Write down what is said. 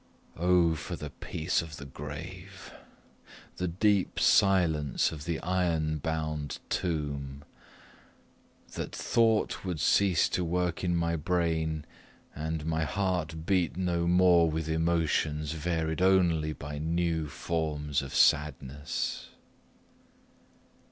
O, for the peace of the grave! the deep silence of the iron bound tomb! that thought would cease to work in my brain, and my heart beat no more with emotions varied only by new forms of sadness!